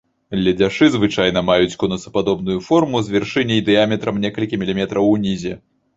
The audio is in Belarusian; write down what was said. Ледзяшы звычайна маюць конусападобную форму з вяршыняй дыяметрам некалькі міліметраў унізе.